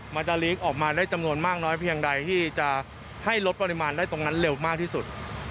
มันจะลีกออกมาได้จำนวนมากน้อยเพียงใดที่จะให้ลดปริมาณได้ตรงนั้นเร็วมากที่สุด